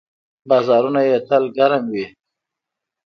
بازارونه یې تل ګرم وي.